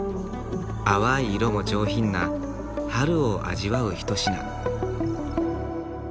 淡い色も上品な春を味わう一品。